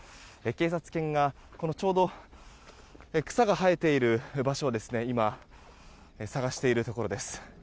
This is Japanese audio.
警察犬がちょうど草が生えている場所を今、捜しているところです。